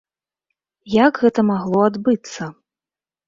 Як гэта магло адбыцца?